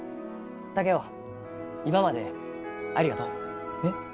竹雄今までありがとう。えっ？